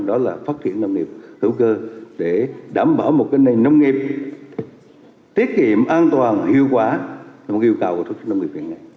đó là phát triển nông nghiệp hữu cơ để đảm bảo một cái nền nông nghiệp